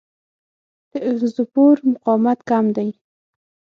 د اګزوسپور مقاومت کم دی.